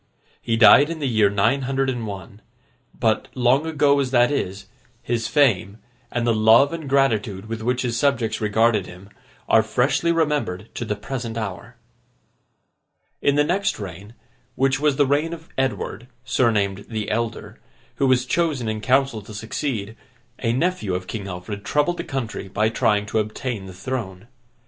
He died in the year nine hundred and one; but, long ago as that is, his fame, and the love and gratitude with which his subjects regarded him, are freshly remembered to the present hour. In the next reign, which was the reign of Edward, surnamed The Elder, who was chosen in council to succeed, a nephew of King Alfred troubled the country by trying to obtain the throne.